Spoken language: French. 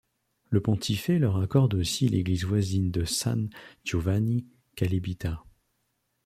Le pontife leur accorde aussi l'église voisine de San Giovanni Calibita.